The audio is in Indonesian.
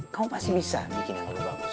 kamu pasti bisa bikin yang lebih bagus